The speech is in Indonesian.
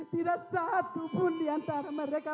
tidak satu pun diantara mereka